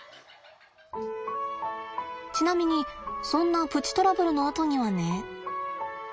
ちなみにそんなプチトラブルのあとにはね。